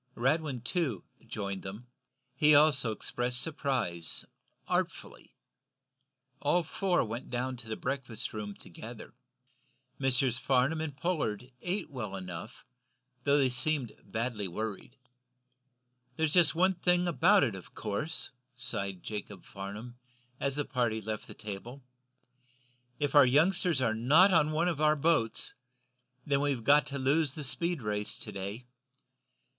Radwin, too, joined them. He also expressed surprise, artfully. All four went to the breakfast room together. Messrs. Farnum and Pollard ate well enough, though they seemed badly worried. "There's just one thing about it, of course," sighed Jacob Farnum, as the party left the table. "If our youngsters are not on one of our boats, then we've got to lose the speed race to day.